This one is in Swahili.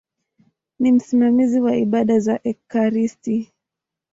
Ni msimamizi wa ibada za ekaristi.